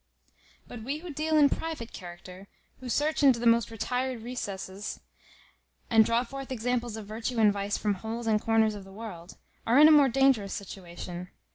But we who deal in private character, who search into the most retired recesses, and draw forth examples of virtue and vice from holes and corners of the world, are in a more dangerous situation.